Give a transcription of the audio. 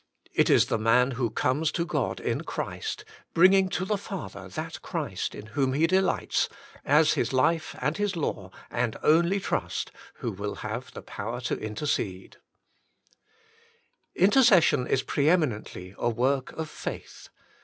It is the man who comes to God in Christ, bringing to the Father that Christ in whom He delights, as his life and his law and only trust who will have power to intercede. *^' 164 The Inner Chamber Intercession is preeminently a work of faith.